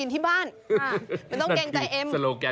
ทำก๋วยเตี๋ยวกินที่บ้าน